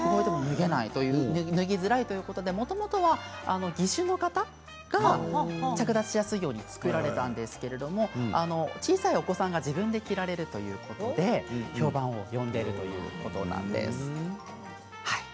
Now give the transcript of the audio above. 脱げづらいということでもともとは義手の方が着脱しやすいように開発されたんですが小さなお子さんでも自分で着られるということで評判を呼んでいるそうです。